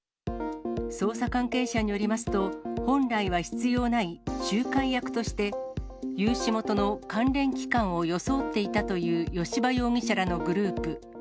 捜査関係者によりますと、本来は必要ない仲介役として、融資元の関連機関を装っていたという吉羽容疑者らのグループ。